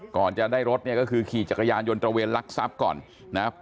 ก่อนจะได้รถเนี่ยก็คือขี่จักรยานยนตระเวนลักทรัพย์ก่อนนะครับ